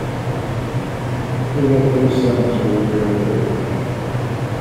He had three sons who were very dear to him.